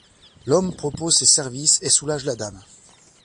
L’homme propose ses services et soulage la dame.